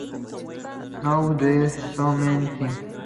Now, do something.